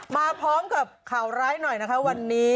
มาพร้อมกับข่าวร้ายหน่อยนะคะวันนี้